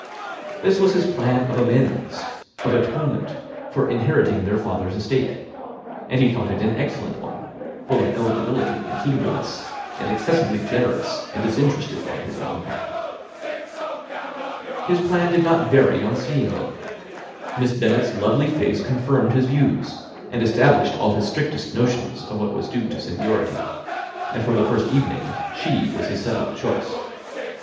This was his plan of amends of atonement for inheriting their father's estate; and he thought it an excellent one, full of eligibility and suitableness, and excessively generous and disinterested on his own part. His plan did not vary on seeing them. Miss Bennet's lovely face confirmed his views, and established all his strictest notions of what was due to seniority; and for the first evening she was his settled choice.